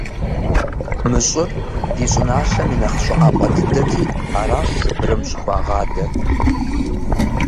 Мы щӏыр ди щӏыналъэм и нэхъ щӏыӏапӏэ дыдэти аращ Сыбырым щӏыхуагъэдар.